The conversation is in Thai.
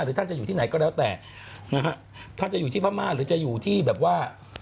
ท่านจะอยู่ที่ไหนก็แล้วแต่นะฮะท่านจะอยู่ที่พม่าหรือจะอยู่ที่แบบว่า